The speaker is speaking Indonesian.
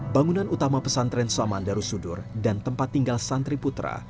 bangunan utama pesantren saman darussudur dan tempat tinggal santri putra